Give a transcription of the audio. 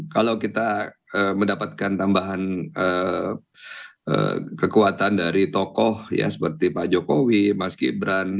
kalau kita mendapatkan tambahan kekuatan dari tokoh ya seperti pak jokowi mas gibran